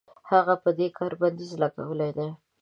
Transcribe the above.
هغه په دې کار بندیز لګولی دی.